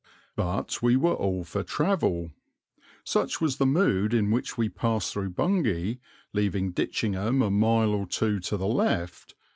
But we were all for travel. Such was the mood in which we passed through Bungay, leaving Ditchingham a mile or two to the left.